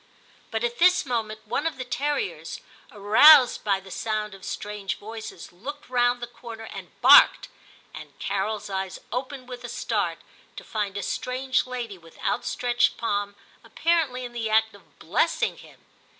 But at VIII TIM 171 this moment one of the terriers, roused by the sound of strange voices, looked round the corner and barked, and Carol's eyes opened with a start, to find a strange lady with out stretched palm, apparently in the act of blessing him.